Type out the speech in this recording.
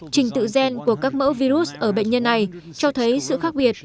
trình tự gen của các mẫu virus ở bệnh nhân này cho thấy sự khác biệt